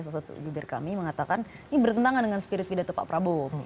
sesuatu juga di kami yang mengatakan ini bertentangan dengan spirit video tepat prabowo